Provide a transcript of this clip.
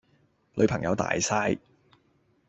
女朋友大曬